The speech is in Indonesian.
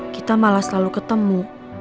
kita malah selalu ketemu